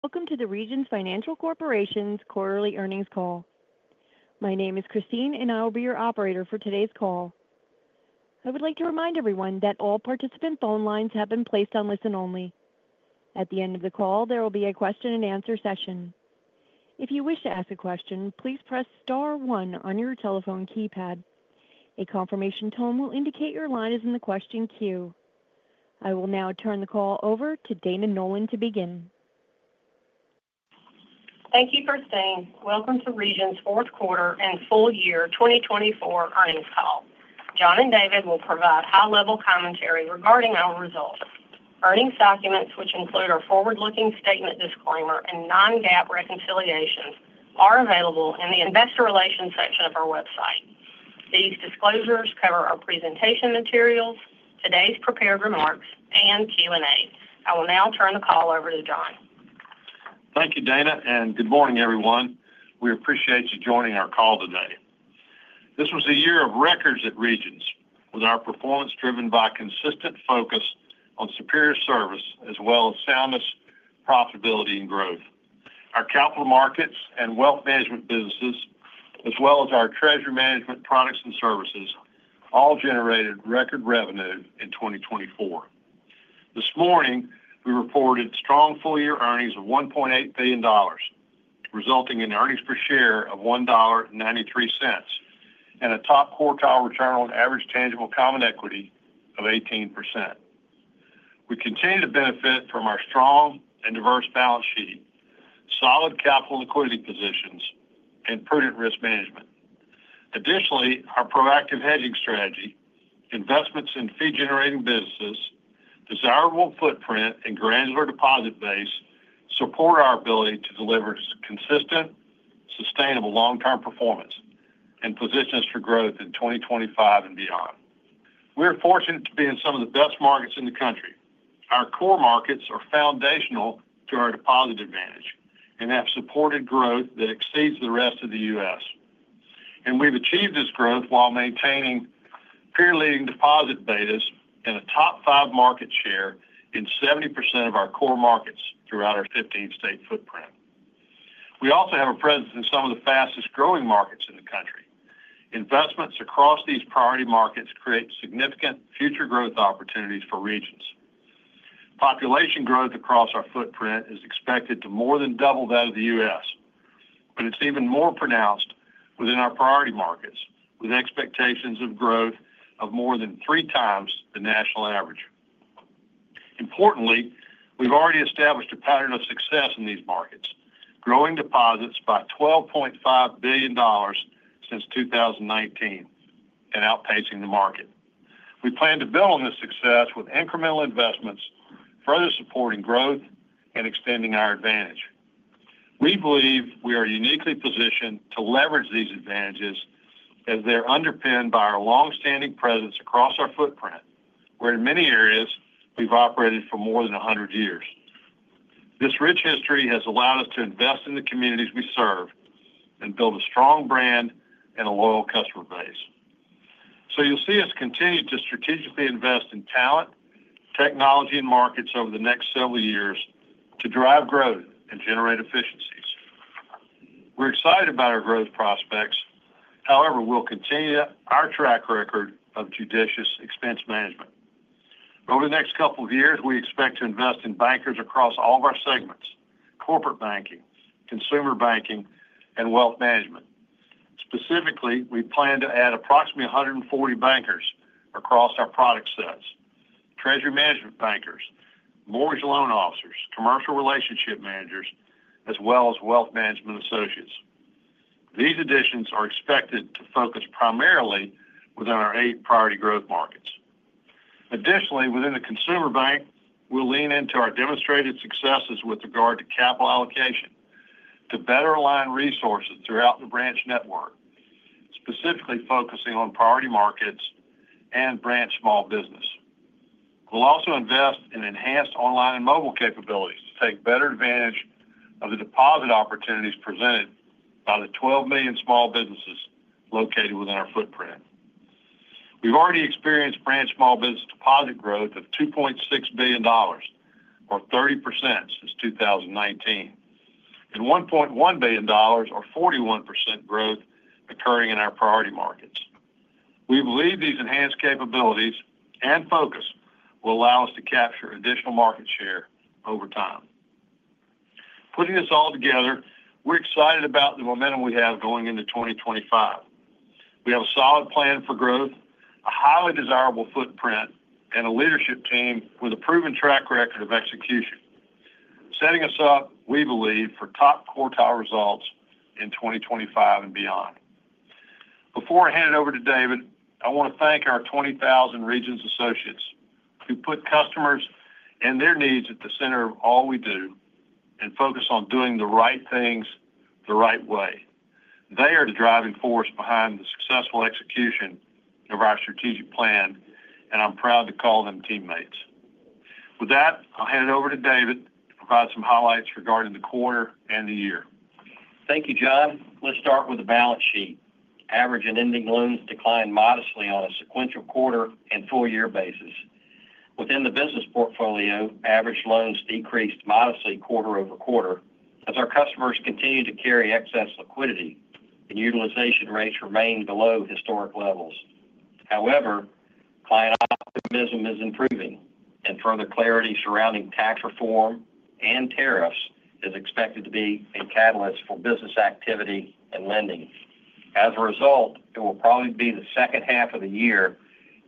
Welcome to the Regions Financial Corporation's quarterly earnings call. My name is Christine, and I will be your operator for today's call. I would like to remind everyone that all participants' phone lines have been placed on listen only. At the end of the call, there will be a question-and-answer session. If you wish to ask a question, please press star one on your telephone keypad. A confirmation tone will indicate your line is in the question queue. I will now turn the call over to Dana Nolan to begin. Thank you for staying. Welcome to Regions' fourth quarter and full year 2024 earnings call. John and David will provide high-level commentary regarding our results. Earnings documents, which include our forward-looking statement disclaimer and non-GAAP reconciliations, are available in the investor relations section of our website. These disclosures cover our presentation materials, today's prepared remarks, and Q&A. I will now turn the call over to John. Thank you, Dana, and good morning, everyone. We appreciate you joining our call today. This was a year of records at Regions, with our performance driven by consistent focus on superior service as well as soundness, profitability, and growth. Our capital markets and wealth management businesses, as well as our treasury management products and services, all generated record revenue in 2024. This morning, we reported strong full-year earnings of $1.8 billion, resulting in earnings per share of $1.93 and a top quartile return on average tangible common equity of 18%. We continue to benefit from our strong and diverse balance sheet, solid capital liquidity positions, and prudent risk management. Additionally, our proactive hedging strategy, investments in fee-generating businesses, desirable footprint, and granular deposit base support our ability to deliver consistent, sustainable long-term performance and position us for growth in 2025 and beyond. We are fortunate to be in some of the best markets in the country. Our core markets are foundational to our deposit advantage and have supported growth that exceeds the rest of the U.S. And we've achieved this growth while maintaining peer-leading deposit betas and a top five market share in 70% of our core markets throughout our 15-state footprint. We also have a presence in some of the fastest-growing markets in the country. Investments across these priority markets create significant future growth opportunities for Regions. Population growth across our footprint is expected to more than double that of the U.S., but it's even more pronounced within our priority markets, with expectations of growth of more than three times the national average. Importantly, we've already established a pattern of success in these markets, growing deposits by $12.5 billion since 2019 and outpacing the market. We plan to build on this success with incremental investments, further supporting growth and extending our advantage. We believe we are uniquely positioned to leverage these advantages as they're underpinned by our long-standing presence across our footprint, where in many areas we've operated for more than 100 years. This rich history has allowed us to invest in the communities we serve and build a strong brand and a loyal customer base. So you'll see us continue to strategically invest in talent, technology, and markets over the next several years to drive growth and generate efficiencies. We're excited about our growth prospects. However, we'll continue our track record of judicious expense management. Over the next couple of years, we expect to invest in bankers across all of our segments: corporate banking, consumer banking, and wealth management. Specifically, we plan to add approximately 140 bankers across our product sets: treasury management bankers, mortgage loan officers, commercial relationship managers, as well as wealth management associates. These additions are expected to focus primarily within our eight priority growth markets. Additionally, within the consumer bank, we'll lean into our demonstrated successes with regard to capital allocation to better align resources throughout the branch network, specifically focusing on priority markets and branch small business. We'll also invest in enhanced online and mobile capabilities to take better advantage of the deposit opportunities presented by the 12 million small businesses located within our footprint. We've already experienced branch small business deposit growth of $2.6 billion, or 30% since 2019, and $1.1 billion, or 41%, growth occurring in our priority markets. We believe these enhanced capabilities and focus will allow us to capture additional market share over time. Putting this all together, we're excited about the momentum we have going into 2025. We have a solid plan for growth, a highly desirable footprint, and a leadership team with a proven track record of execution, setting us up, we believe, for top quartile results in 2025 and beyond. Before I hand it over to David, I want to thank our 20,000 Regions associates who put customers and their needs at the center of all we do and focus on doing the right things the right way. They are the driving force behind the successful execution of our strategic plan, and I'm proud to call them teammates. With that, I'll hand it over to David to provide some highlights regarding the quarter and the year. Thank you, John. Let's start with the balance sheet. Average and ending loans declined modestly on a sequential quarter and full-year basis. Within the business portfolio, average loans decreased modestly quarter over quarter as our customers continue to carry excess liquidity, and utilization rates remain below historic levels. However, client optimism is improving, and further clarity surrounding tax reform and tariffs is expected to be a catalyst for business activity and lending. As a result, it will probably be the second half of the year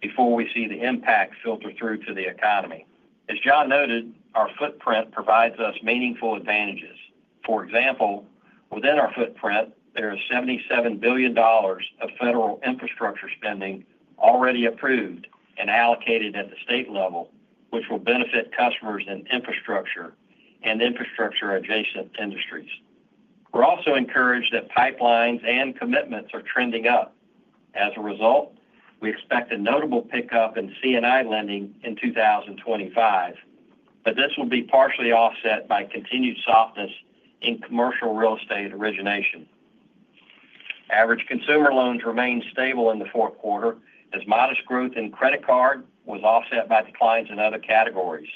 before we see the impact filter through to the economy. As John noted, our footprint provides us meaningful advantages. For example, within our footprint, there is $77 billion of federal infrastructure spending already approved and allocated at the state level, which will benefit customers in infrastructure and infrastructure-adjacent industries. We're also encouraged that pipelines and commitments are trending up. As a result, we expect a notable pickup in C&I lending in 2025, but this will be partially offset by continued softness in commercial real estate origination. Average consumer loans remained stable in the fourth quarter as modest growth in credit card was offset by declines in other categories.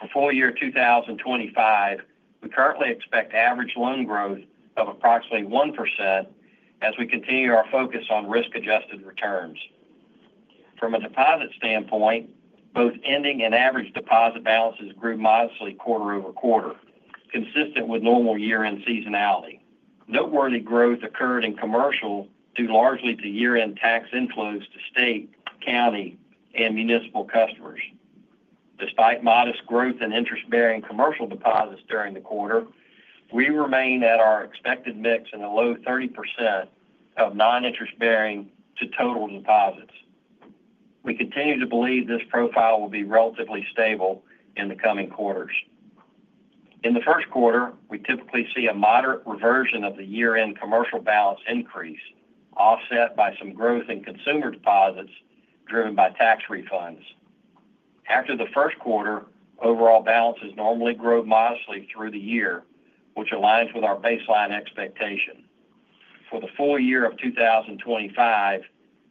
For full year 2025, we currently expect average loan growth of approximately 1% as we continue our focus on risk-adjusted returns. From a deposit standpoint, both ending and average deposit balances grew modestly quarter over quarter, consistent with normal year-end seasonality. Noteworthy growth occurred in commercial due largely to year-end tax inflows to state, county, and municipal customers. Despite modest growth in interest-bearing commercial deposits during the quarter, we remain at our expected mix in a low 30% of non-interest-bearing to total deposits. We continue to believe this profile will be relatively stable in the coming quarters. In the first quarter, we typically see a moderate reversion of the year-end commercial balance increase, offset by some growth in consumer deposits driven by tax refunds. After the first quarter, overall balances normally grow modestly through the year, which aligns with our baseline expectation. For the full year of 2025,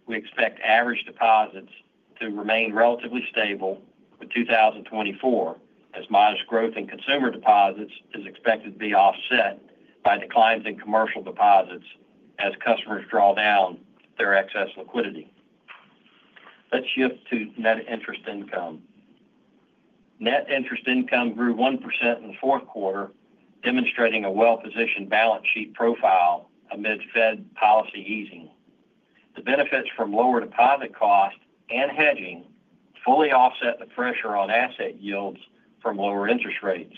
we expect average deposits to remain relatively stable for 2024 as modest growth in consumer deposits is expected to be offset by declines in commercial deposits as customers draw down their excess liquidity. Let's shift to net interest income. Net interest income grew 1% in the fourth quarter, demonstrating a well-positioned balance sheet profile amid Fed policy easing. The benefits from lower deposit costs and hedging fully offset the pressure on asset yields from lower interest rates.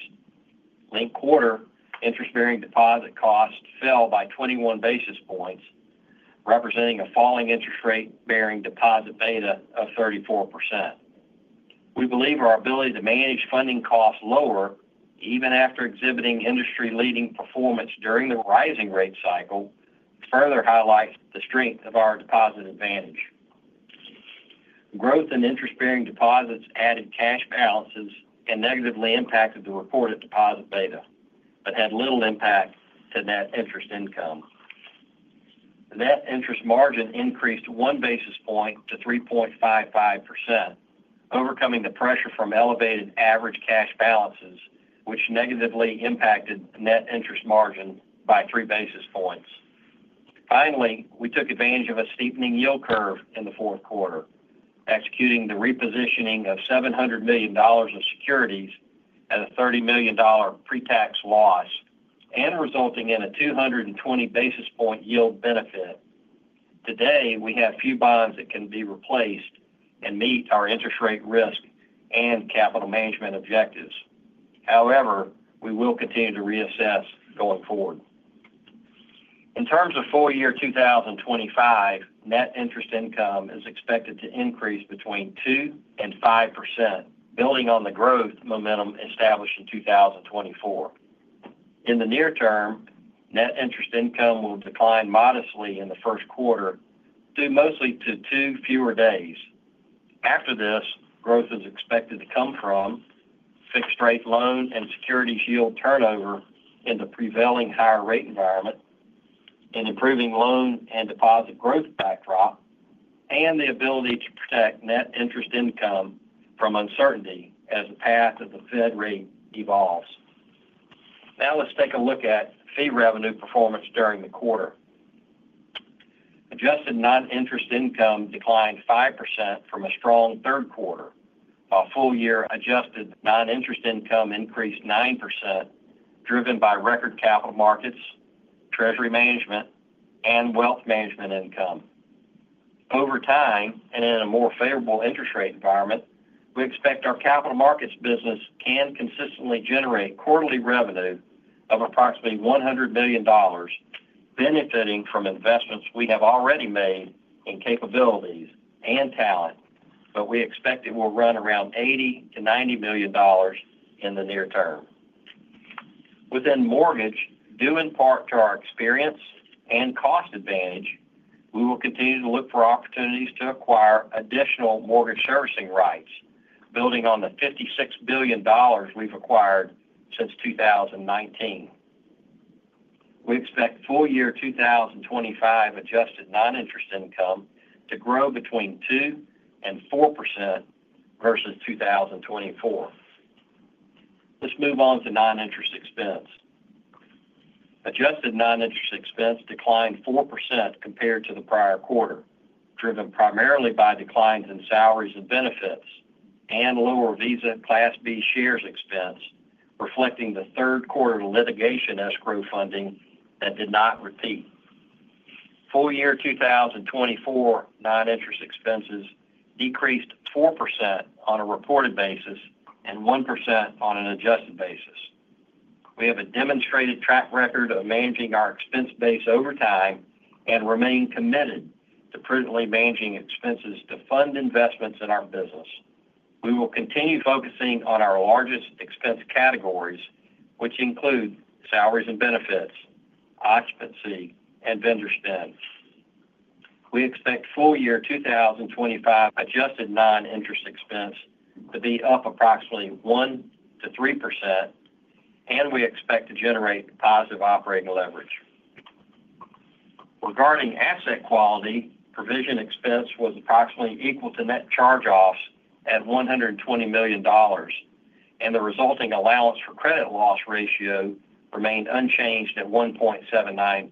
Link quarter interest-bearing deposit costs fell by 21 basis points, representing a falling interest-rate-bearing deposit beta of 34%. We believe our ability to manage funding costs lower, even after exhibiting industry-leading performance during the rising rate cycle, further highlights the strength of our deposit advantage. Growth in interest-bearing deposits added cash balances and negatively impacted the reported deposit beta, but had little impact to net interest income. Net interest margin increased one basis point to 3.55%, overcoming the pressure from elevated average cash balances, which negatively impacted net interest margin by three basis points. Finally, we took advantage of a steepening yield curve in the fourth quarter, executing the repositioning of $700 million of securities at a $30 million pre-tax loss and resulting in a 220 basis point yield benefit. Today, we have few bonds that can be replaced and meet our interest rate risk and capital management objectives. However, we will continue to reassess going forward. In terms of full year 2025, net interest income is expected to increase between 2% and 5%, building on the growth momentum established in 2024. In the near term, net interest income will decline modestly in the first quarter due mostly to two fewer days. After this, growth is expected to come from fixed-rate loan and securities yield turnover in the prevailing higher-rate environment, an improving loan and deposit growth backdrop, and the ability to protect net interest income from uncertainty as the path of the Fed rate evolves. Now, let's take a look at fee revenue performance during the quarter. Adjusted non-interest income declined 5% from a strong third quarter, while full-year adjusted non-interest income increased 9%, driven by record capital markets, treasury management, and wealth management income. Over time and in a more favorable interest rate environment, we expect our capital markets business can consistently generate quarterly revenue of approximately $100 million, benefiting from investments we have already made in capabilities and talent, but we expect it will run around $80-$90 million in the near term. Within mortgage, due in part to our experience and cost advantage, we will continue to look for opportunities to acquire additional mortgage servicing rights, building on the $56 billion we've acquired since 2019. We expect full year 2025 adjusted non-interest income to grow between 2% and 4% versus 2024. Let's move on to non-interest expense. Adjusted non-interest expense declined 4% compared to the prior quarter, driven primarily by declines in salaries and benefits and lower Visa Class B shares expense, reflecting the third quarter litigation escrow funding that did not repeat. Full year 2024 non-interest expenses decreased 4% on a reported basis and 1% on an adjusted basis. We have a demonstrated track record of managing our expense base over time and remain committed to prudently managing expenses to fund investments in our business. We will continue focusing on our largest expense categories, which include salaries and benefits, occupancy, and vendor spend. We expect full year 2025 adjusted non-interest expense to be up approximately 1% to 3%, and we expect to generate positive operating leverage. Regarding asset quality, provision expense was approximately equal to net charge-offs at $120 million, and the resulting allowance for credit loss ratio remained unchanged at 1.79%.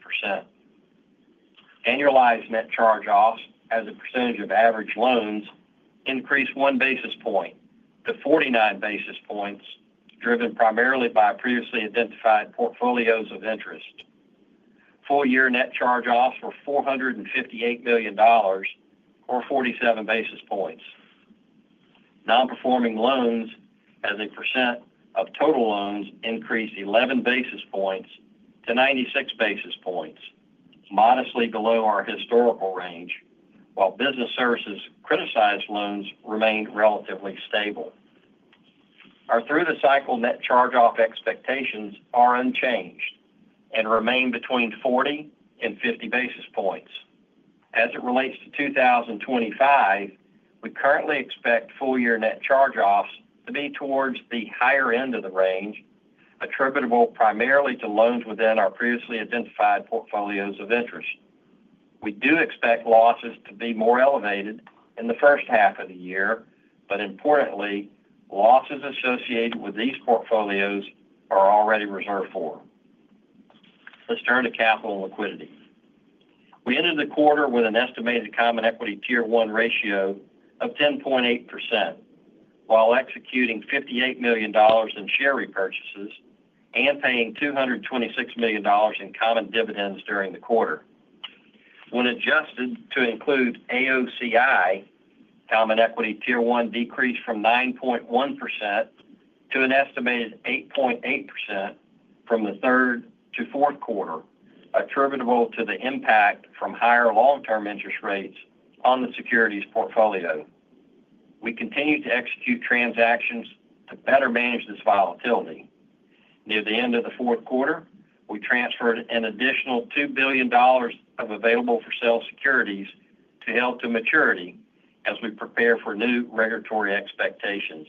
Annualized net charge-offs, as a percentage of average loans, increased one basis point to 49 basis points, driven primarily by previously identified portfolios of interest. Full year net charge-offs were $458 million, or 47 basis points. Non-performing loans, as a percent of total loans, increased 11 basis points to 96 basis points, modestly below our historical range, while business services criticized loans remained relatively stable. Our through-the-cycle net charge-off expectations are unchanged and remain between 40 and 50 basis points. As it relates to 2025, we currently expect full year net charge-offs to be towards the higher end of the range, attributable primarily to loans within our previously identified portfolios of interest. We do expect losses to be more elevated in the first half of the year, but importantly, losses associated with these portfolios are already reserved for. Let's turn to capital and liquidity. We ended the quarter with an estimated Common Equity Tier 1 ratio of 10.8%, while executing $58 million in share repurchases and paying $226 million in common dividends during the quarter. When adjusted to include AOCI, Common Equity Tier 1 decreased from 9.1% to an estimated 8.8% from the third to fourth quarter, attributable to the impact from higher long-term interest rates on the securities portfolio. We continue to execute transactions to better manage this volatility. Near the end of the fourth quarter, we transferred an additional $2 billion of available-for-sale securities to held-to-maturity as we prepare for new regulatory expectations.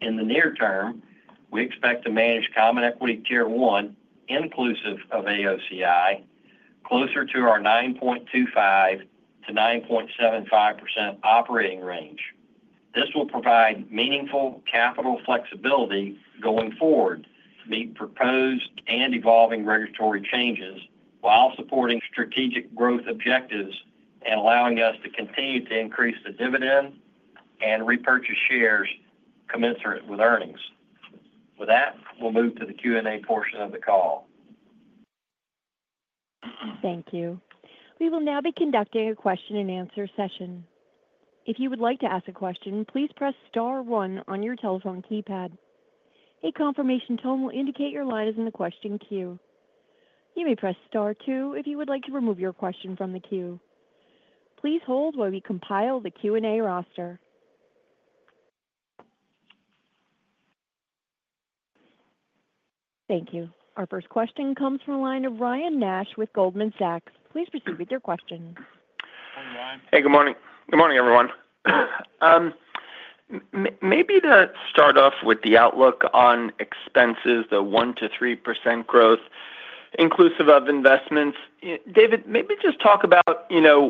In the near term, we expect to manage Common Equity Tier 1, inclusive of AOCI, closer to our 9.25%-9.75% operating range. This will provide meaningful capital flexibility going forward to meet proposed and evolving regulatory changes while supporting strategic growth objectives and allowing us to continue to increase the dividend and repurchase shares commensurate with earnings. With that, we'll move to the Q&A portion of the call. Thank you. We will now be conducting a question-and-answer session. If you would like to ask a question, please press star one on your telephone keypad. A confirmation tone will indicate your line is in the question queue. You may press star two if you would like to remove your question from the queue. Please hold while we compile the Q&A roster. Thank you. Our first question comes from a line of Ryan Nash with Goldman Sachs. Please proceed with your question. Hey, good morning. Good morning, everyone. Maybe to start off with the outlook on expenses, the 1%-3% growth, inclusive of investments. David, maybe just talk about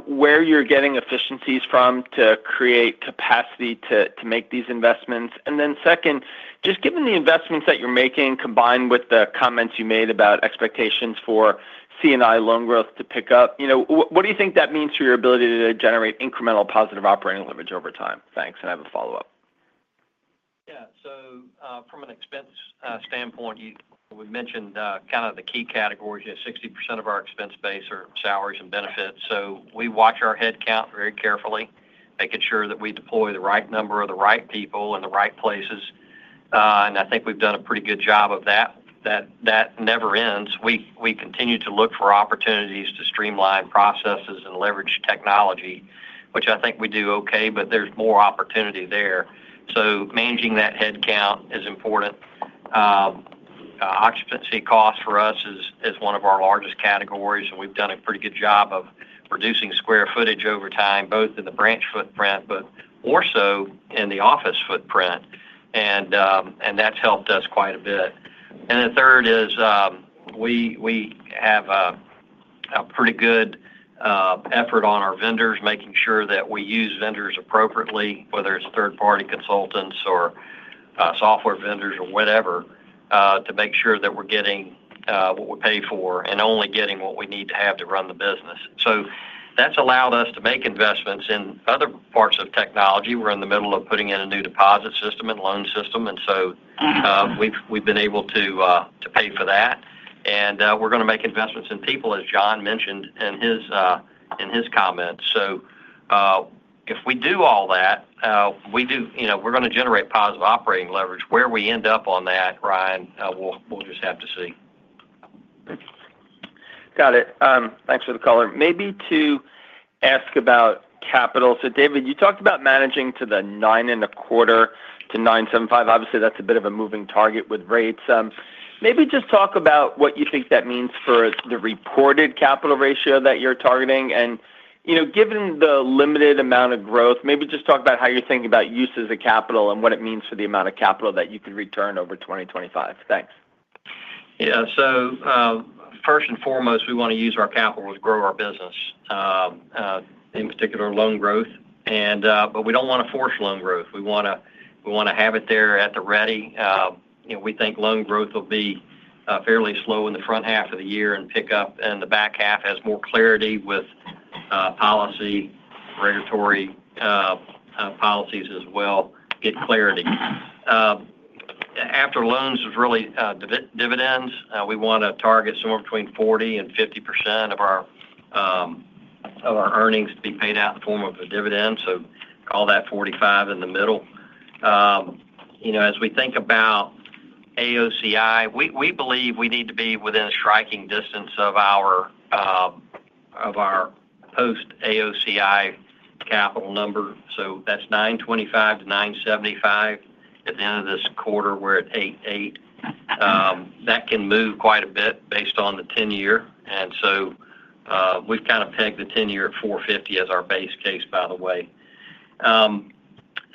where you're getting efficiencies from to create capacity to make these investments. And then second, just given the investments that you're making combined with the comments you made about expectations for C&I loan growth to pick up, what do you think that means for your ability to generate incremental positive operating leverage over time? Thanks. And I have a follow-up. Yeah. So from an expense standpoint, we mentioned kind of the key categories. You have 60% of our expense base are salaries and benefits. So we watch our headcount very carefully, making sure that we deploy the right number of the right people in the right places. And I think we've done a pretty good job of that. That never ends. We continue to look for opportunities to streamline processes and leverage technology, which I think we do okay, but there's more opportunity there. So managing that headcount is important. Occupancy costs for us is one of our largest categories, and we've done a pretty good job of reducing square footage over time, both in the branch footprint, but more so in the office footprint. And that's helped us quite a bit. And the third is we have a pretty good effort on our vendors, making sure that we use vendors appropriately, whether it's third-party consultants or software vendors or whatever, to make sure that we're getting what we pay for and only getting what we need to have to run the business. So that's allowed us to make investments in other parts of technology. We're in the middle of putting in a new deposit system and loan system, and so we've been able to pay for that. And we're going to make investments in people, as John mentioned in his comments. So if we do all that, we're going to generate positive operating leverage. Where we end up on that, Ryan, we'll just have to see. Got it. Thanks for the caller. Maybe to ask about capital. So David, you talked about managing to the nine and a quarter to 9.75. Obviously, that's a bit of a moving target with rates. Maybe just talk about what you think that means for the reported capital ratio that you're targeting. And given the limited amount of growth, maybe just talk about how you're thinking about uses of capital and what it means for the amount of capital that you could return over 2025. Thanks. Yeah. So first and foremost, we want to use our capital to grow our business, in particular loan growth. But we don't want to force loan growth. We want to have it there at the ready. We think loan growth will be fairly slow in the front half of the year and pick up, and the back half has more clarity with policy, regulatory policies as well, get clarity. After loans is really dividends. We want to target somewhere between 40% and 50% of our earnings to be paid out in the form of a dividend. So call that 45% in the middle. As we think about AOCI, we believe we need to be within a striking distance of our post-AOCI capital number. So that's 9.25% to 9.75% at the end of this quarter; we're at 8.8%. That can move quite a bit based on the 10-year. And so we've kind of pegged the 10-year at 4.50 as our base case, by the way.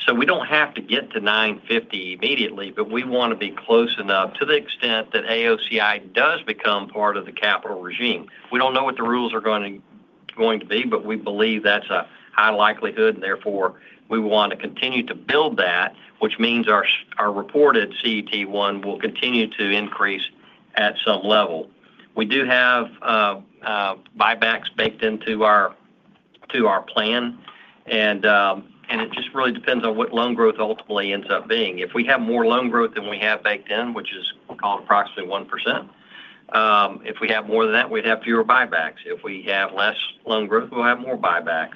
So we don't have to get to 9.50 immediately, but we want to be close enough to the extent that AOCI does become part of the capital regime. We don't know what the rules are going to be, but we believe that's a high likelihood, and therefore we want to continue to build that, which means our reported CET1 will continue to increase at some level. We do have buybacks baked into our plan, and it just really depends on what loan growth ultimately ends up being. If we have more loan growth than we have baked in, which is called approximately 1%, if we have more than that, we'd have fewer buybacks. If we have less loan growth, we'll have more buybacks.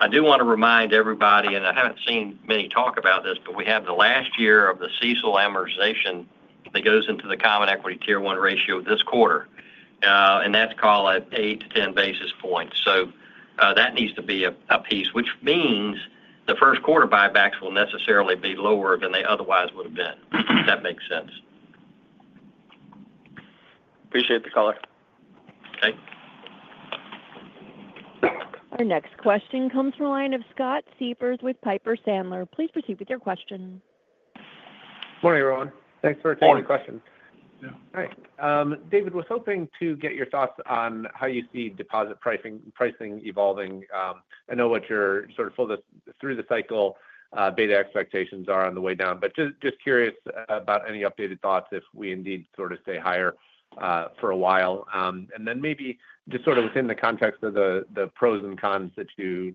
I do want to remind everybody, and I haven't seen many talk about this, but we have the last year of the CECL amortization that goes into the Common Equity Tier 1 ratio this quarter, and that's called an 8-10 basis points. So that needs to be a piece, which means the first quarter buybacks will necessarily be lower than they otherwise would have been, if that makes sense. Appreciate the caller. Okay. Our next question comes from a line of Scott Siefers with Piper Sandler. Please proceed with your question. Morning, everyone. Thanks for taking the question. All right. David, was hoping to get your thoughts on how you see deposit pricing evolving. I know what your sort of through-the-cycle beta expectations are on the way down, but just curious about any updated thoughts if we indeed sort of stay higher for a while, and then maybe just sort of within the context of the pros and cons that you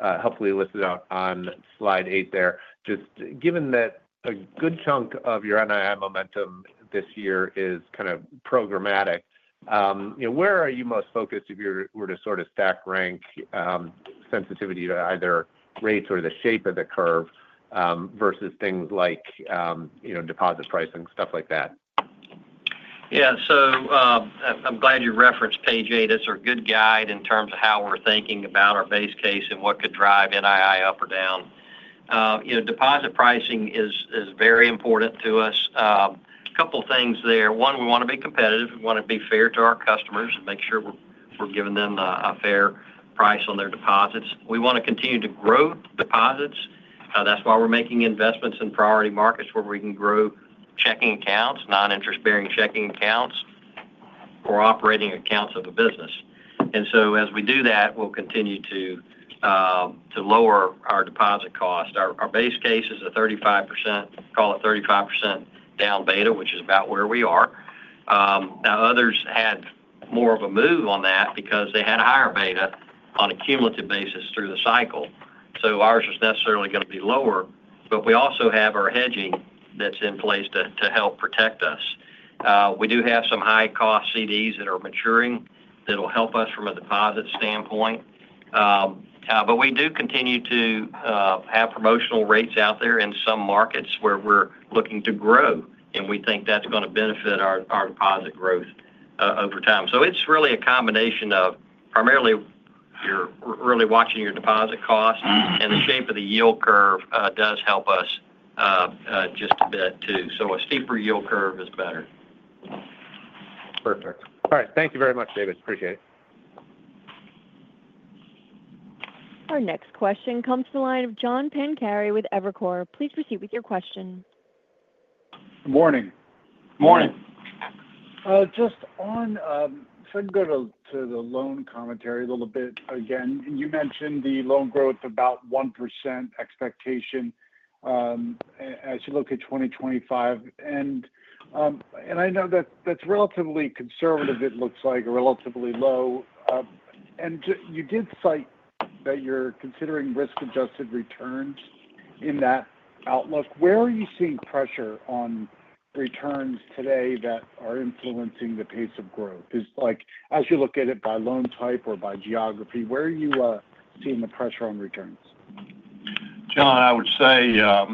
hopefully listed out on slide eight there, just given that a good chunk of your NII momentum this year is kind of programmatic, where are you most focused if you were to sort of stack rank sensitivity to either rates or the shape of the curve versus things like deposit pricing, stuff like that? Yeah. So I'm glad you referenced page eight. It's a good guide in terms of how we're thinking about our base case and what could drive NII up or down. Deposit pricing is very important to us. A couple of things there. One, we want to be competitive. We want to be fair to our customers and make sure we're giving them a fair price on their deposits. We want to continue to grow deposits. That's why we're making investments in priority markets where we can grow checking accounts, non-interest-bearing checking accounts, or operating accounts of a business. And so as we do that, we'll continue to lower our deposit cost. Our base case is a 35%, call it 35% down beta, which is about where we are. Now, others had more of a move on that because they had a higher beta on a cumulative basis through the cycle. So ours is necessarily going to be lower, but we also have our hedging that's in place to help protect us. We do have some high-cost CDs that are maturing that will help us from a deposit standpoint. But we do continue to have promotional rates out there in some markets where we're looking to grow, and we think that's going to benefit our deposit growth over time. So it's really a combination of primarily really watching your deposit cost, and the shape of the yield curve does help us just a bit too. So a steeper yield curve is better. Perfect. All right. Thank you very much, David. Appreciate it. Our next question comes from a line of John Pancari with Evercore. Please proceed with your question. Good morning. Good morning. Just on, if I can go to the loan commentary a little bit again, you mentioned the loan growth about 1% expectation as you look at 2025. And I know that's relatively conservative, it looks like, or relatively low. And you did cite that you're considering risk-adjusted returns in that outlook. Where are you seeing pressure on returns today that are influencing the pace of growth? As you look at it by loan type or by geography, where are you seeing the pressure on returns? John, I would say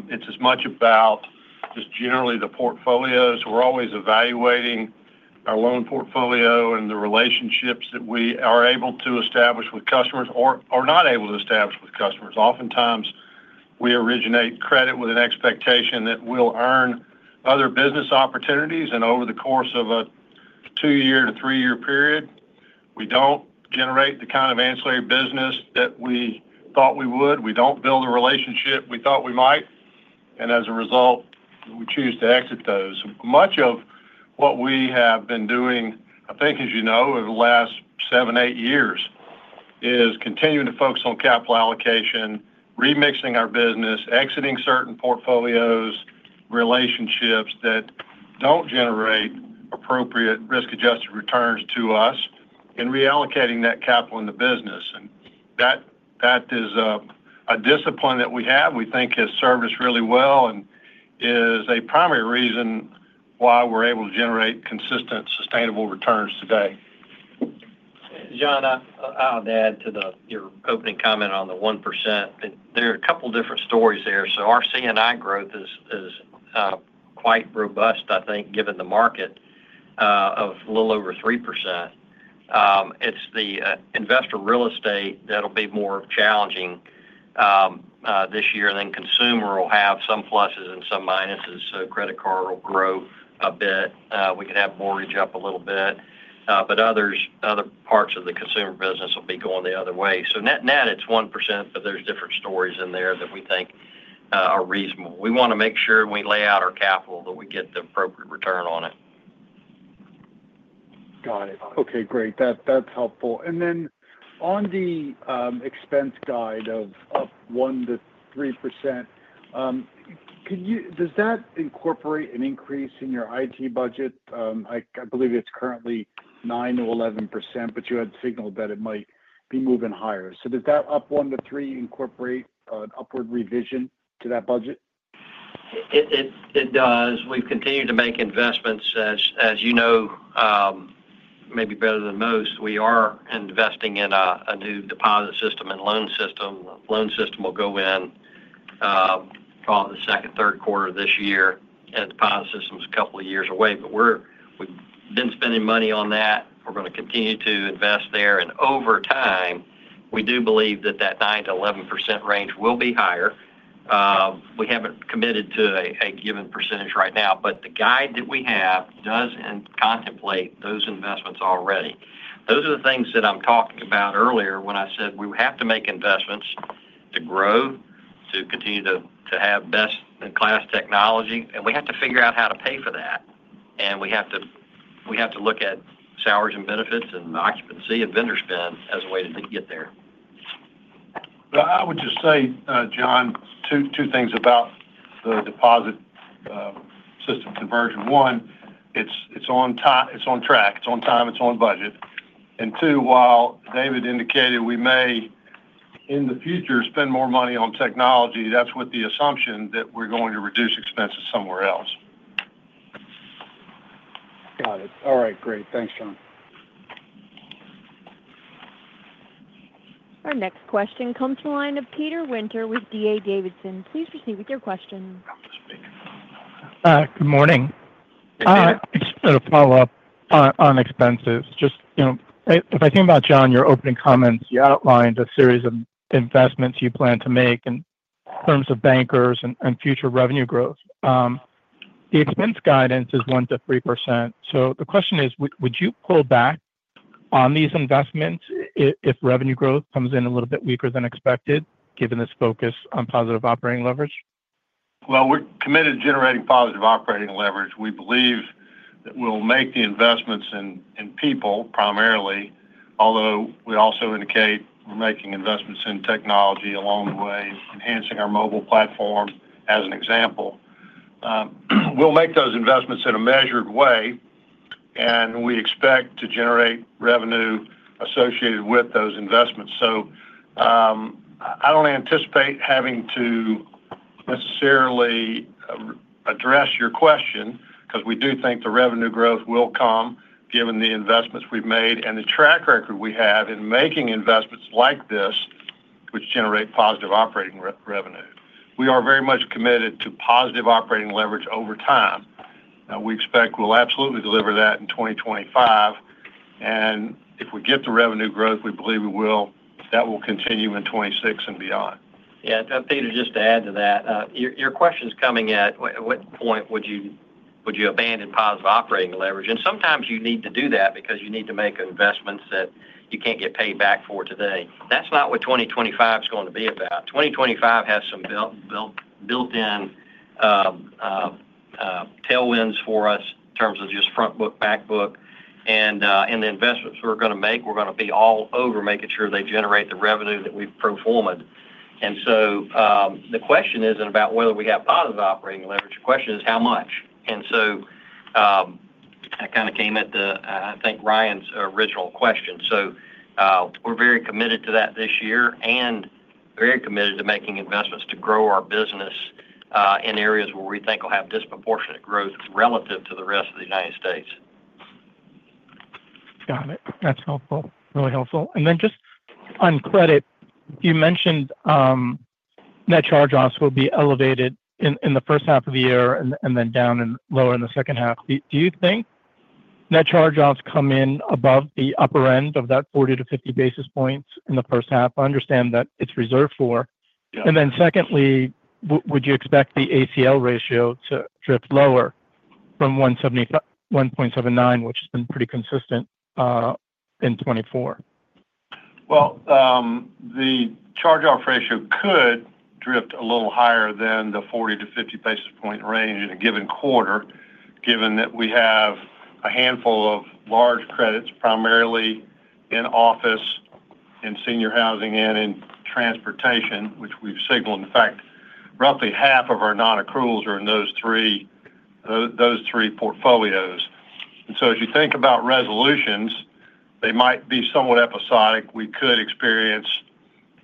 it's as much about just generally the portfolios. We're always evaluating our loan portfolio and the relationships that we are able to establish with customers or not able to establish with customers. Oftentimes, we originate credit with an expectation that we'll earn other business opportunities, and over the course of a two-year to three-year period, we don't generate the kind of ancillary business that we thought we would. We don't build a relationship we thought we might, and as a result, we choose to exit those. Much of what we have been doing, I think, as you know, over the last seven, eight years, is continuing to focus on capital allocation, remixing our business, exiting certain portfolios, relationships that don't generate appropriate risk-adjusted returns to us, and reallocating that capital in the business. That is a discipline that we have, we think has served us really well, and is a primary reason why we're able to generate consistent, sustainable returns today. John, I'll add to your opening comment on the 1%. There are a couple of different stories there. So our C&I growth is quite robust, I think, given the market of a little over 3%. It's the investor real estate that'll be more challenging this year, and then consumer will have some pluses and some minuses. So credit card will grow a bit. We could have mortgage up a little bit. But other parts of the consumer business will be going the other way. So net-net, it's 1%, but there's different stories in there that we think are reasonable. We want to make sure we lay out our capital that we get the appropriate return on it. Got it. Okay. Great. That's helpful. And then on the expense guide of up 1%-3%, does that incorporate an increase in your IT budget? I believe it's currently 9%-11%, but you had signaled that it might be moving higher. So does that up 1%-3% incorporate an upward revision to that budget? It does. We've continued to make investments. As you know, maybe better than most, we are investing in a new deposit system and loan system. The loan system will go in, call it the second, third quarter of this year. And the deposit system is a couple of years away, but we've been spending money on that. We're going to continue to invest there. And over time, we do believe that that 9%-11% range will be higher. We haven't committed to a given percentage right now, but the guide that we have does contemplate those investments already. Those are the things that I'm talking about earlier when I said we have to make investments to grow, to continue to have best-in-class technology, and we have to figure out how to pay for that. We have to look at salaries and benefits and occupancy and vendor spend as a way to get there. I would just say, John, two things about the deposit system conversion. One, it's on track. It's on time. It's on budget. And two, while David indicated we may, in the future, spend more money on technology, that's with the assumption that we're going to reduce expenses somewhere else. Got it. All right. Great. Thanks, John. Our next question comes from a line of Peter Winter with D.A. Davidson. Please proceed with your question. Good morning. I just want to follow up on expenses. Just if I think about, John, your opening comments, you outlined a series of investments you plan to make in terms of bankers and future revenue growth. The expense guidance is 1%-3%. So the question is, would you pull back on these investments if revenue growth comes in a little bit weaker than expected, given this focus on positive operating leverage? Well, we're committed to generating positive operating leverage. We believe that we'll make the investments in people primarily, although we also indicate we're making investments in technology along the way, enhancing our mobile platform as an example. We'll make those investments in a measured way, and we expect to generate revenue associated with those investments. So I don't anticipate having to necessarily address your question because we do think the revenue growth will come given the investments we've made and the track record we have in making investments like this, which generate positive operating revenue. We are very much committed to positive operating leverage over time. We expect we'll absolutely deliver that in 2025. And if we get the revenue growth, we believe we will, that will continue in 2026 and beyond. Yeah. Peter, just to add to that, your question's coming at what point would you abandon positive operating leverage? And sometimes you need to do that because you need to make investments that you can't get paid back for today. That's not what 2025 is going to be about. 2025 has some built-in tailwinds for us in terms of just front book, back book. And the investments we're going to make, we're going to be all over making sure they generate the revenue that we've performed. And so the question isn't about whether we have positive operating leverage. The question is how much. And so that kind of came at the, I think, Ryan's original question. We're very committed to that this year and very committed to making investments to grow our business in areas where we think will have disproportionate growth relative to the rest of the United States. Got it. That's helpful. Really helpful. And then just on credit, you mentioned net charge-offs will be elevated in the first half of the year and then down and lower in the second half. Do you think net charge-offs come in above the upper end of that 40-50 basis points in the first half? I understand that it's reserved for. And then secondly, would you expect the ACL ratio to drift lower from 1.79, which has been pretty consistent in 2024? Well, the charge-off ratio could drift a little higher than the 40-50 basis point range in a given quarter, given that we have a handful of large credits primarily in office and senior housing and in transportation, which we've signaled. In fact, roughly half of our non-accruals are in those three portfolios. And so as you think about resolutions, they might be somewhat episodic. We could experience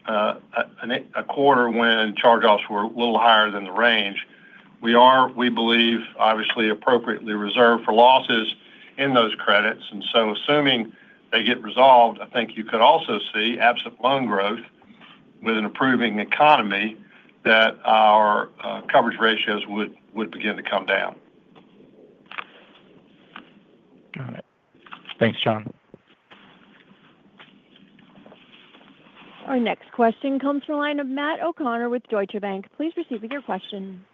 a quarter when charge-offs were a little higher than the range. We are, we believe, obviously appropriately reserved for losses in those credits, and so assuming they get resolved, I think you could also see, absent loan growth with an improving economy, that our coverage ratios would begin to come down. Got it. Thanks, John. Our next question comes from a line of Matt O'Connor with Deutsche Bank. Please proceed with your question.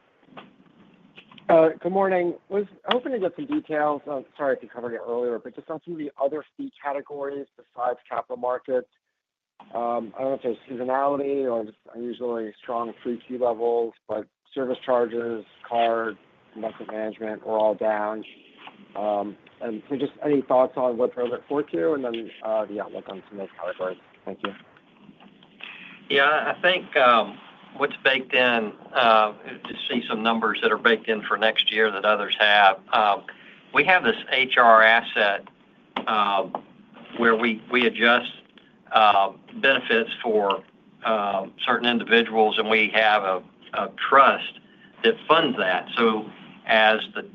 Good morning. I was hoping to get some details, sorry if we covered it earlier, but just on some of the other fee categories besides capital markets. I don't know if there's seasonality or just unusually strong 3Q levels, but service charges, card, investment management, we're all down, and so just any thoughts on what they're looking forward to and then the outlook on some of those categories? Thank you. Yeah. I think what's baked in is to see some numbers that are baked in for next year that others have. We have this HR asset where we adjust benefits for certain individuals, and we have a trust that funds that. So as the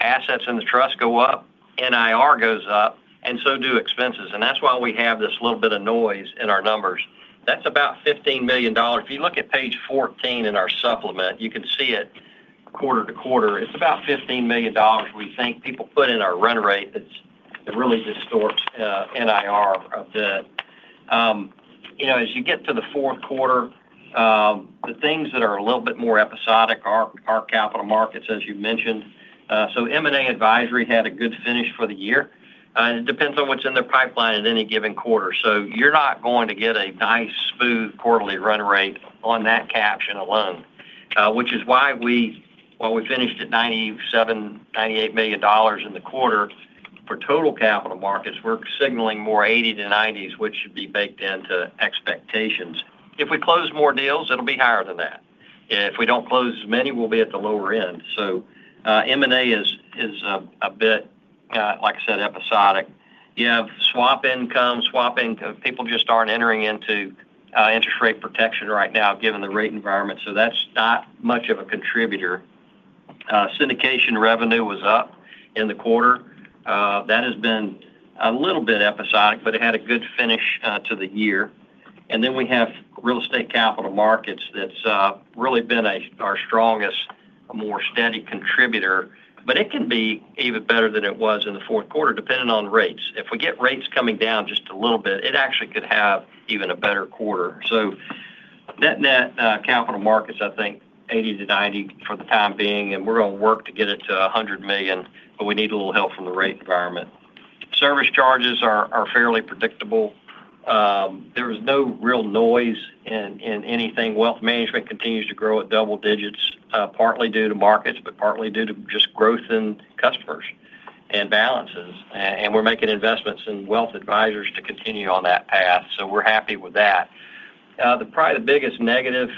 assets in the trust go up, NIR goes up, and so do expenses. And that's why we have this little bit of noise in our numbers. That's about $15 million. If you look at page 14 in our supplement, you can see it quarter to quarter. It's about $15 million. We think people put in our run rate that really distorts NIR a bit. As you get to the fourth quarter, the things that are a little bit more episodic are capital markets, as you mentioned. So M&A advisory had a good finish for the year. It depends on what's in their pipeline in any given quarter. So you're not going to get a nice smooth quarterly run rate on that caption alone, which is why we finished at $97-$98 million in the quarter. For total capital markets, we're signaling more 80s-90s, which should be baked into expectations. If we close more deals, it'll be higher than that. If we don't close as many, we'll be at the lower end. So M&A is a bit, like I said, episodic. You have swap income, swap income. People just aren't entering into interest rate protection right now given the rate environment. So that's not much of a contributor. Syndication revenue was up in the quarter. That has been a little bit episodic, but it had a good finish to the year. And then we have real estate capital markets that's really been our strongest, more steady contributor. But it can be even better than it was in the fourth quarter, depending on rates. If we get rates coming down just a little bit, it actually could have even a better quarter. So net-net, capital markets, I think, $80-$90 million for the time being. And we're going to work to get it to $100 million, but we need a little help from the rate environment. Service charges are fairly predictable. There is no real noise in anything. Wealth management continues to grow at double digits, partly due to markets, but partly due to just growth in customers and balances. And we're making investments in wealth advisors to continue on that path. So we're happy with that. Probably the biggest negative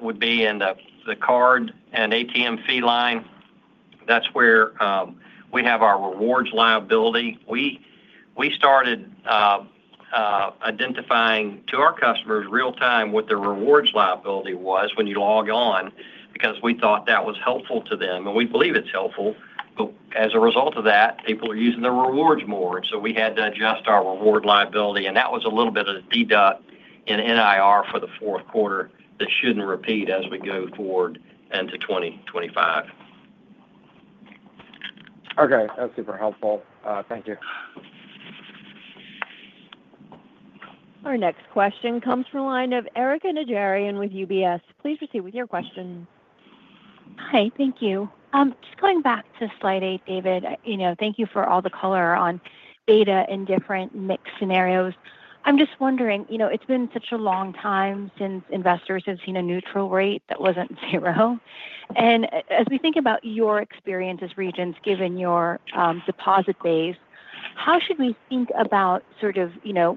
would be in the card and ATM fee line. That's where we have our rewards liability. We started identifying to our customers real-time what their rewards liability was when you log on because we thought that was helpful to them, and we believe it's helpful, but as a result of that, people are using their rewards more, and so we had to adjust our rewards liability, and that was a little bit of a deduct in NII for the fourth quarter that shouldn't repeat as we go forward into 2025. Okay. That's super helpful. Thank you. Our next question comes from a line of Erika Najarian with UBS. Please proceed with your question. Hi. Thank you. Just going back to slide eight, David, thank you for all the color on data in different mixed scenarios. I'm just wondering, it's been such a long time since investors have seen a neutral rate that wasn't zero. And as we think about your experience as Regions, given your deposit base, how should we think about sort of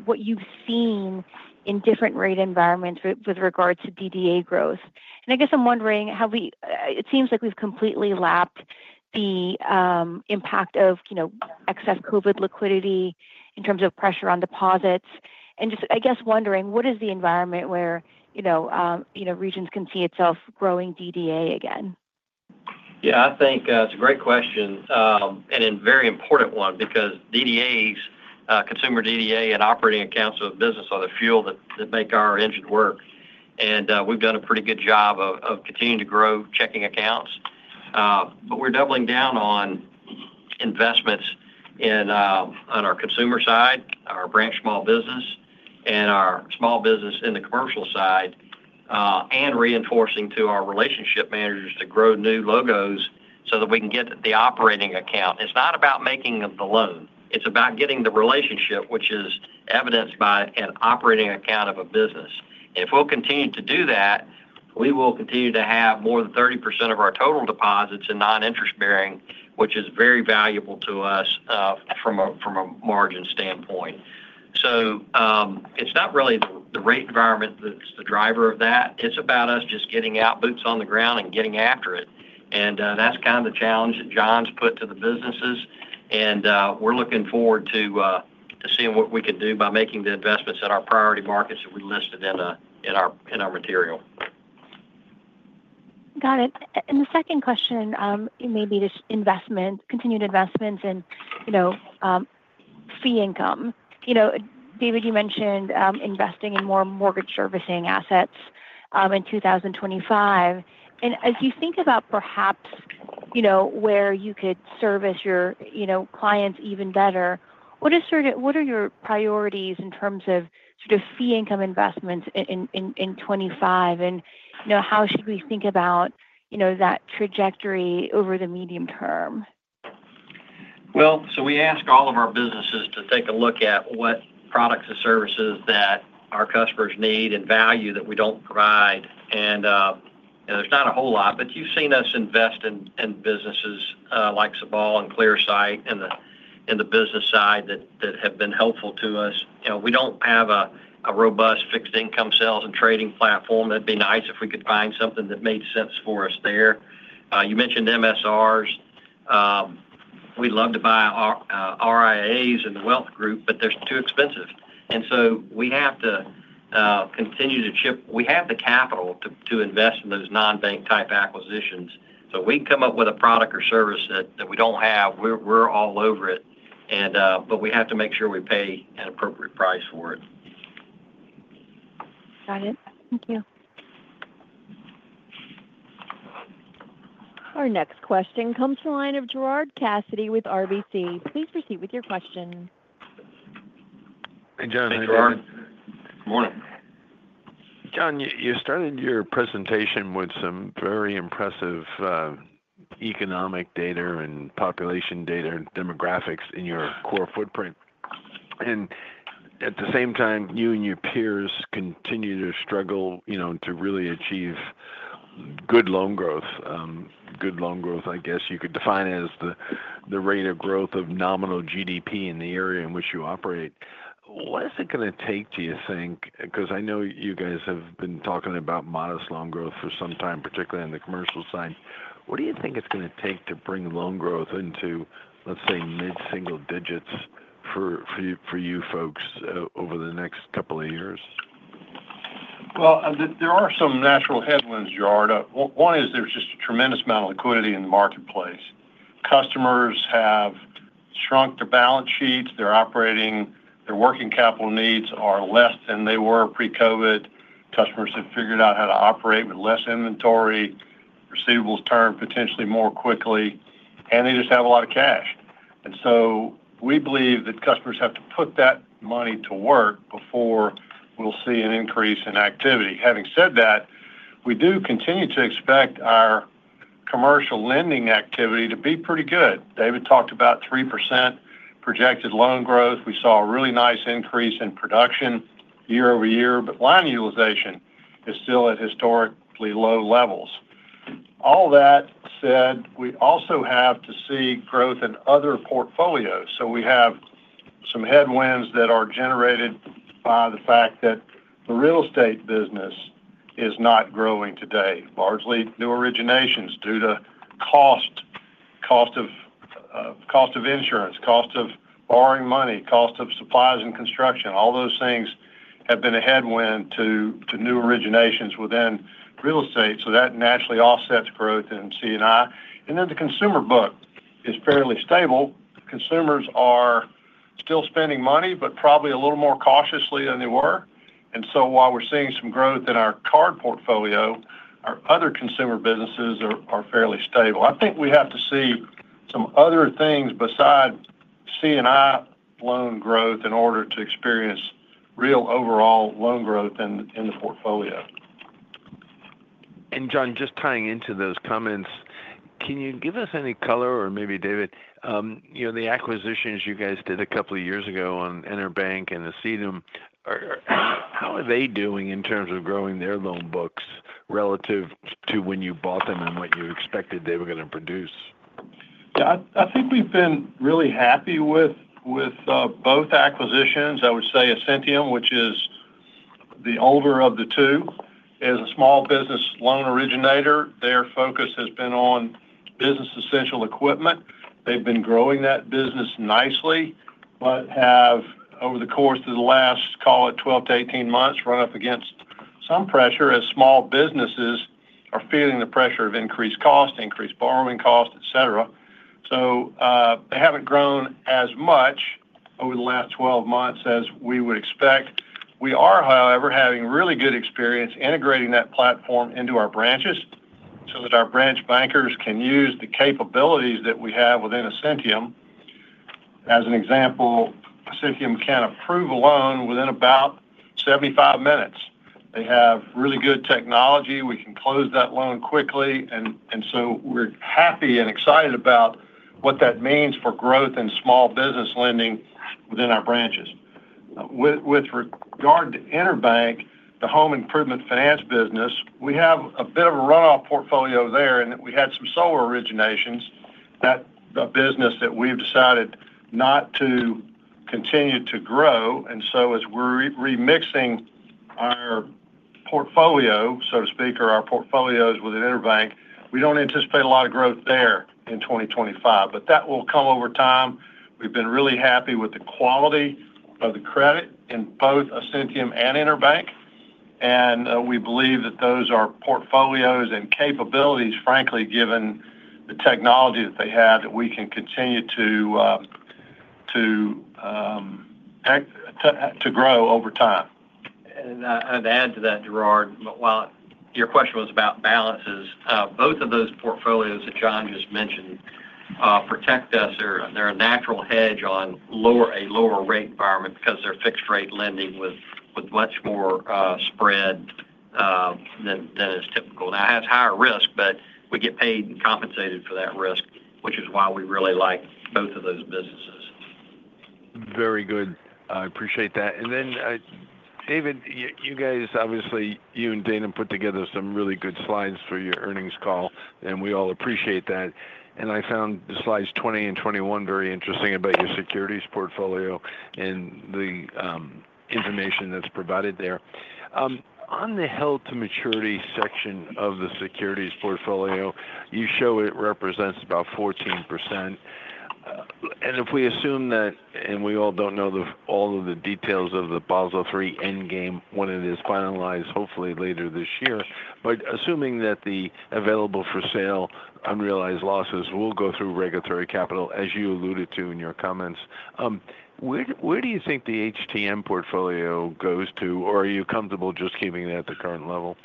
what you've seen in different rate environments with regard to DDA growth? And I guess I'm wondering, it seems like we've completely lapped the impact of excess COVID liquidity in terms of pressure on deposits. And just, I guess, wondering, what is the environment where Regions can see itself growing DDA again? Yeah. I think it's a great question and a very important one because DDAs, consumer DDA and operating accounts of a business are the fuel that make our engine work. And we've done a pretty good job of continuing to grow checking accounts. But we're doubling down on investments on our consumer side, our branch small business, and our small business in the commercial side, and reinforcing to our relationship managers to grow new logos so that we can get the operating account. It's not about making the loan. It's about getting the relationship, which is evidenced by an operating account of a business. And if we'll continue to do that, we will continue to have more than 30% of our total deposits in non-interest bearing, which is very valuable to us from a margin standpoint. So it's not really the rate environment that's the driver of that. It's about us just getting our boots on the ground and getting after it. And that's kind of the challenge that John's put to the businesses. And we're looking forward to seeing what we can do by making the investments in our priority markets that we listed in our material. Got it. And the second question may be just investments, continued investments in fee income. David, you mentioned investing in more mortgage servicing assets in 2025. And as you think about perhaps where you could service your clients even better, what are your priorities in terms of sort of fee income investments in 2025? And how should we think about that trajectory over the medium term? Well, so we ask all of our businesses to take a look at what products and services that our customers need and value that we don't provide. And there's not a whole lot, but you've seen us invest in businesses like Sabal and Clearsight in the business side that have been helpful to us. We don't have a robust fixed income sales and trading platform. It'd be nice if we could find something that made sense for us there. You mentioned MSRs. We'd love to buy RIAs and the wealth group, but they're too expensive. And so we have to continue to chip. We have the capital to invest in those non-bank type acquisitions. So if we come up with a product or service that we don't have, we're all over it. But we have to make sure we pay an appropriate price for it. Got it. Thank you. Our next question comes from a line of Gerard Cassidy with RBC. Please proceed with your question. Hey, John. Hey, Gerard. Good morning. John, you started your presentation with some very impressive economic data and population data and demographics in your core footprint, and at the same time, you and your peers continue to struggle to really achieve good loan growth. Good loan growth, I guess you could define it as the rate of growth of nominal GDP in the area in which you operate. What is it going to take, do you think? Because I know you guys have been talking about modest loan growth for some time, particularly on the commercial side. What do you think it's going to take to bring loan growth into, let's say, mid-single digits for you folks over the next couple of years? There are some natural headwinds, Gerard. One is there's just a tremendous amount of liquidity in the marketplace. Customers have shrunk their balance sheets. Their operating, their working capital needs are less than they were pre-COVID. Customers have figured out how to operate with less inventory. Receivables turn potentially more quickly. And they just have a lot of cash. And so we believe that customers have to put that money to work before we'll see an increase in activity. Having said that, we do continue to expect our commercial lending activity to be pretty good. David talked about 3% projected loan growth. We saw a really nice increase in production year over year, but line utilization is still at historically low levels. All that said, we also have to see growth in other portfolios. So we have some headwinds that are generated by the fact that the real estate business is not growing today. Largely new originations due to cost of insurance, cost of borrowing money, cost of supplies and construction. All those things have been a headwind to new originations within real estate. So that naturally offsets growth in C&I. And then the consumer book is fairly stable. Consumers are still spending money, but probably a little more cautiously than they were. And so while we're seeing some growth in our card portfolio, our other consumer businesses are fairly stable. I think we have to see some other things beside C&I loan growth in order to experience real overall loan growth in the portfolio. John, just tying into those comments, can you give us any color or maybe, David, the acquisitions you guys did a couple of years ago on EnerBank and Ascentium Capital, how are they doing in terms of growing their loan books relative to when you bought them and what you expected they were going to produce? Yeah. I think we've been really happy with both acquisitions. I would say Ascentium Capital, which is the older of the two, is a small business loan originator. Their focus has been on business-essential equipment. They've been growing that business nicely, but have over the course of the last, call it 12-18 months, run up against some pressure as small businesses are feeling the pressure of increased cost, increased borrowing cost, etc. So they haven't grown as much over the last 12 months as we would expect. We are, however, having really good experience integrating that platform into our branches so that our branch bankers can use the capabilities that we have within Ascentium Capital. As an example, Ascentium Capital can approve a loan within about 75 minutes. They have really good technology. We can close that loan quickly. And so we're happy and excited about what that means for growth in small business lending within our branches. With regard to EnerBank, the home improvement finance business, we have a bit of a runoff portfolio there. And we had some solar originations. That's a business that we've decided not to continue to grow. And so as we're remixing our portfolio, so to speak, or our portfolios within EnerBank, we don't anticipate a lot of growth there in 2025. But that will come over time. We've been really happy with the quality of the credit in both Ascentium and EnerBank. And we believe that those are portfolios and capabilities, frankly, given the technology that they have, that we can continue to grow over time. To add to that, Gerard, while your question was about balances, both of those portfolios that John just mentioned protect us. They're a natural hedge on a lower rate environment because they're fixed-rate lending with much more spread than is typical. Now, it has higher risk, but we get paid and compensated for that risk, which is why we really like both of those businesses. Very good. I appreciate that. And then, David, you guys, obviously, you and Dana have put together some really good slides for your earnings call. And we all appreciate that. And I found the slides 20 and 21 very interesting about your securities portfolio and the information that's provided there. On the held-to-maturity section of the securities portfolio, you show it represents about 14%. And if we assume that, and we all don't know all of the details of the Basel III endgame when it is finalized, hopefully later this year, but assuming that the available-for-sale unrealized losses will go through regulatory capital, as you alluded to in your comments, where do you think the HTM portfolio goes to? Or are you comfortable just keeping that at the current level?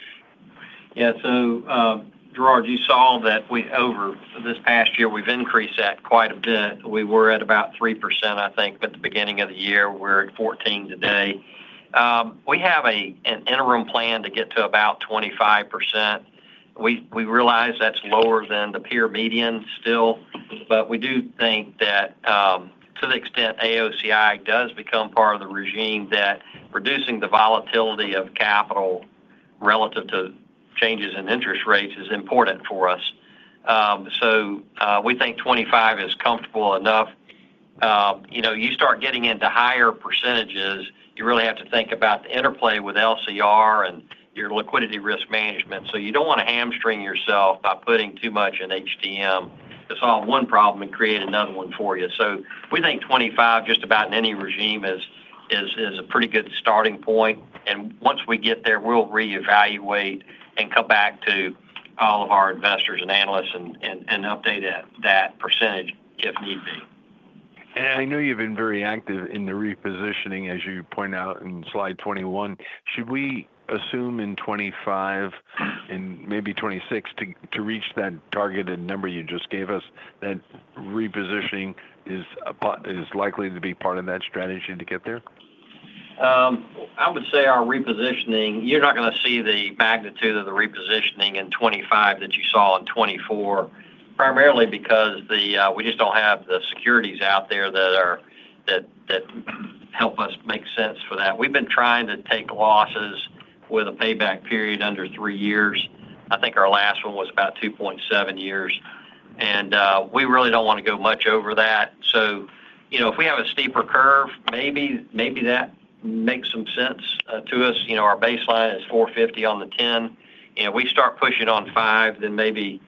Yeah. So, Gerard, you saw that over this past year, we've increased that quite a bit. We were at about 3%, I think, at the beginning of the year. We're at 14% today. We have an interim plan to get to about 25%. We realize that's lower than the peer median still. But we do think that to the extent AOCI does become part of the regime, that reducing the volatility of capital relative to changes in interest rates is important for us. So we think 25% is comfortable enough. You start getting into higher percentages, you really have to think about the interplay with LCR and your liquidity risk management. So you don't want to hamstring yourself by putting too much in HTM. It's all one problem and create another one for you. So we think 25% just about in any regime is a pretty good starting point. Once we get there, we'll reevaluate and come back to all of our investors and analysts and update that percentage if need be. And I know you've been very active in the repositioning, as you point out in slide 21. Should we assume in 2025 and maybe 2026 to reach that targeted number you just gave us, that repositioning is likely to be part of that strategy to get there? I would say our repositioning. You're not going to see the magnitude of the repositioning in 2025 that you saw in 2024, primarily because we just don't have the securities out there that help us make sense for that. We've been trying to take losses with a payback period under three years. I think our last one was about 2.7 years. And we really don't want to go much over that. So if we have a steeper curve, maybe that makes some sense to us. Our baseline is 450 on the 10. And if we start pushing on 5, then maybe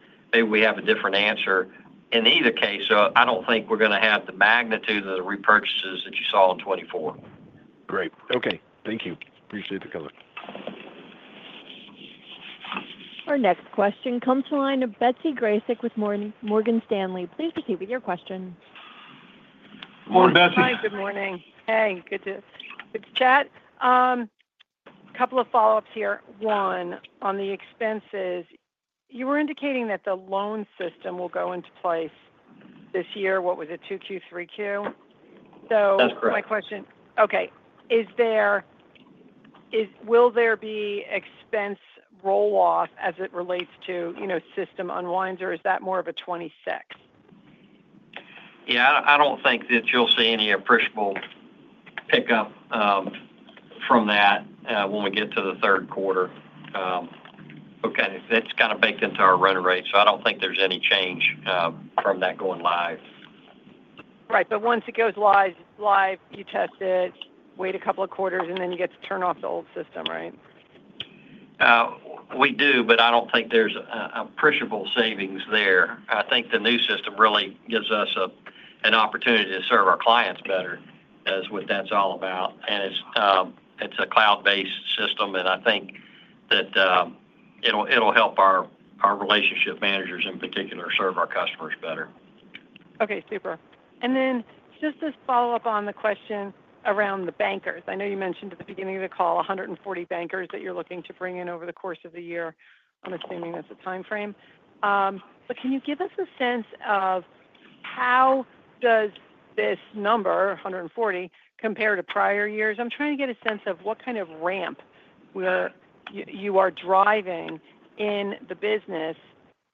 we have a different answer. In either case, I don't think we're going to have the magnitude of the repurchases that you saw in 2024. Great. Okay. Thank you. Appreciate the comment. Our next question comes from a line of Betsy Graseck with Morgan Stanley. Please proceed with your question. Morning, Betsy. Hi. Good morning. Hey. Good to chat. A couple of follow-ups here. One, on the expenses, you were indicating that the loan system will go into place this year. What was it? 2Q, 3Q? That's correct. So, my question, okay. Will there be expense roll-off as it relates to system unwinds, or is that more of a 26? Yeah. I don't think that you'll see any appreciable pickup from that when we get to the third quarter. Okay. That's kind of baked into our run rate. So I don't think there's any change from that going live. Right. But once it goes live, you test it, wait a couple of quarters, and then you get to turn off the old system, right? We do, but I don't think there's appreciable savings there. I think the new system really gives us an opportunity to serve our clients better, is what that's all about. And it's a cloud-based system. And I think that it'll help our relationship managers, in particular, serve our customers better. Okay. Super. And then just to follow up on the question around the bankers. I know you mentioned at the beginning of the call 140 bankers that you're looking to bring in over the course of the year. I'm assuming that's the time frame. But can you give us a sense of how does this number, 140, compare to prior years? I'm trying to get a sense of what kind of ramp you are driving in the business.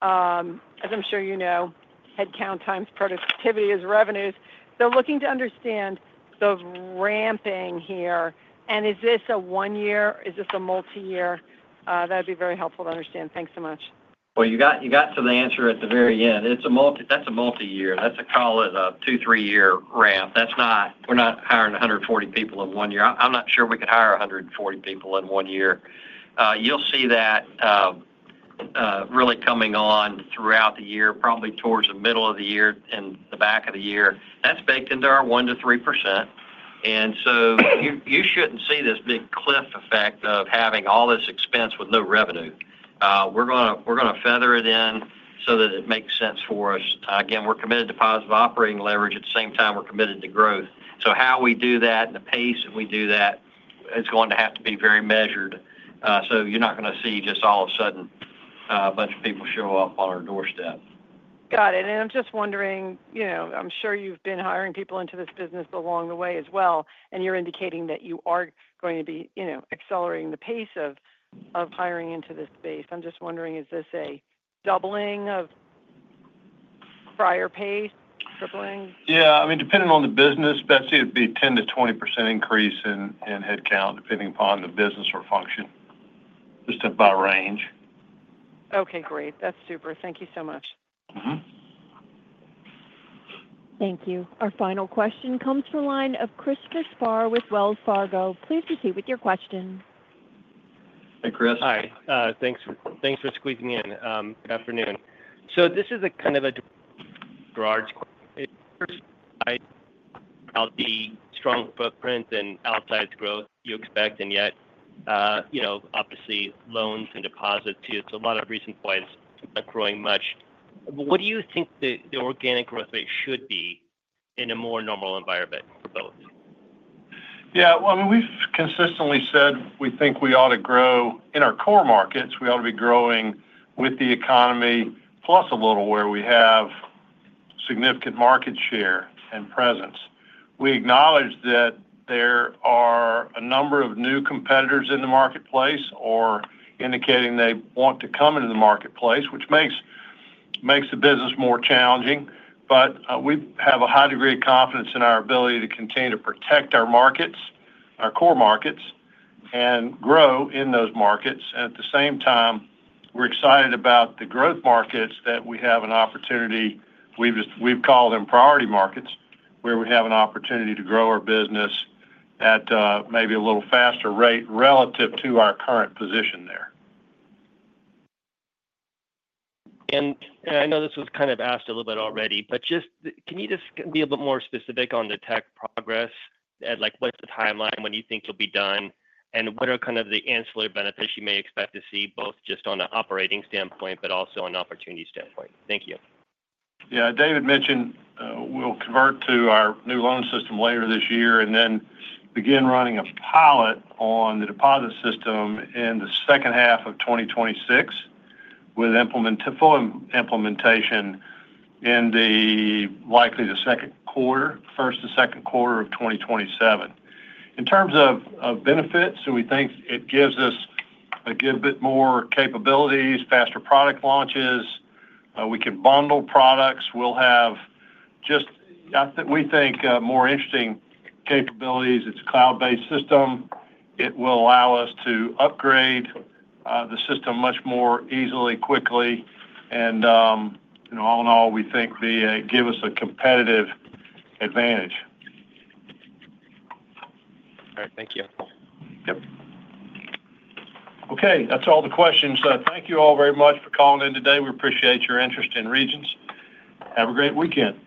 As I'm sure you know, headcount times productivity is revenues. So looking to understand the ramping here, and is this a one-year? Is this a multi-year? That would be very helpful to understand. Thanks so much. Well, you got to the answer at the very end. That's a multi-year. Let's call it a two, three-year ramp. We're not hiring 140 people in one year. I'm not sure we could hire 140 people in one year. You'll see that really coming on throughout the year, probably towards the middle of the year and the back of the year. That's baked into our 1%-3%. And so you shouldn't see this big cliff effect of having all this expense with no revenue. We're going to feather it in so that it makes sense for us. Again, we're committed to positive operating leverage. At the same time, we're committed to growth. So how we do that and the pace that we do that is going to have to be very measured. So you're not going to see just all of a sudden a bunch of people show up on our doorstep. Got it. And I'm just wondering, I'm sure you've been hiring people into this business along the way as well. And you're indicating that you are going to be accelerating the pace of hiring into this space. I'm just wondering, is this a doubling of prior pace, tripling? Yeah. I mean, depending on the business, Betsy, it'd be 10%-20% increase in headcount, depending upon the business or function, just by range. Okay. Great. That's super. Thank you so much. Thank you. Our final question comes from a line of Christopher Spahr with Wells Fargo. Please proceed with your question. Hey, Chris. Hi. Thanks for squeezing in. Good afternoon. So this is a kind of a Gerard's question. You're talking about the strong footprint and outside growth you expect. And yet, obviously, loans and deposits too. So a lot of reasons why it's not growing much. What do you think the organic growth rate should be in a more normal environment for both? Yeah. Well, I mean, we've consistently said we think we ought to grow in our core markets. We ought to be growing with the economy, plus a little where we have significant market share and presence. We acknowledge that there are a number of new competitors in the marketplace or indicating they want to come into the marketplace, which makes the business more challenging. But we have a high degree of confidence in our ability to continue to protect our core markets and grow in those markets. And at the same time, we're excited about the growth markets that we have an opportunity. We've called them priority markets where we have an opportunity to grow our business at maybe a little faster rate relative to our current position there. And I know this was kind of asked a little bit already, but can you just be a bit more specific on the tech progress? What's the timeline when you think you'll be done? And what are kind of the ancillary benefits you may expect to see, both just on an operating standpoint, but also an opportunity standpoint? Thank you. Yeah. David mentioned we'll convert to our new loan system later this year and then begin running a pilot on the deposit system in the second half of 2026 with full implementation in likely the first to second quarter of 2027. In terms of benefits, we think it gives us a good bit more capabilities, faster product launches. We can bundle products. We'll have just, we think, more interesting capabilities. It's a cloud-based system. It will allow us to upgrade the system much more easily, quickly, and all in all, we think it will give us a competitive advantage. All right. Thank you. Yep. Okay. That's all the questions. Thank you all very much for calling in today. We appreciate your interest in Regions. Have a great weekend.